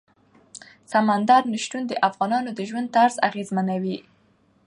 سمندر نه شتون د افغانانو د ژوند طرز اغېزمنوي.